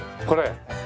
これ？